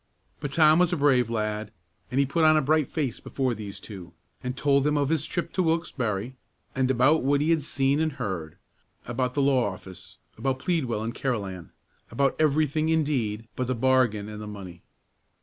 But Tom was a brave lad, and he put on a bright face before these two, and told them of his trip to Wilkesbarre, and about what he had seen and heard, about the law office, about Pleadwell and Carolan, about every thing, indeed, but the bargain and the money.